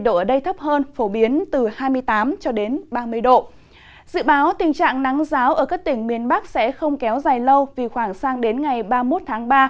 dự báo tình trạng nắng giáo ở các tỉnh miền bắc sẽ không kéo dài lâu vì khoảng sang đến ngày ba mươi một tháng ba